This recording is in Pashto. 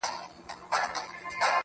ز ماپر حا ل باندي ژړا مه كوه,